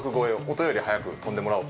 音より速く飛んでもらおうと。